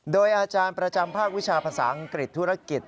โดยอาจารย์ประจำภาควิชาภาษาอังกฤษธุรกิจ